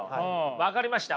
分かりました。